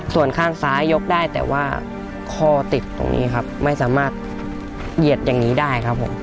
ส่วนข้างซ้ายยกได้แต่ว่าคอติดตรงนี้ครับไม่สามารถเหยียดอย่างนี้ได้ครับผม